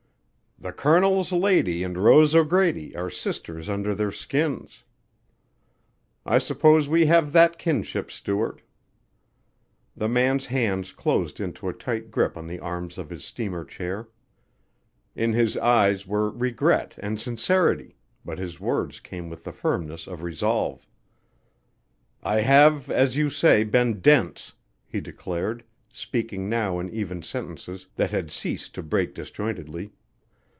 "The Colonel's lady and Rose O'Grady Are sisters under their skins, I suppose we have that kinship, Stuart." The man's hands closed into a tight grip on the arms of his steamer chair. In his eyes were regret and sincerity, but his words came with the firmness of resolve: "I have, as you say, been dense," he declared, speaking now in even sentences that had ceased to break disjointedly.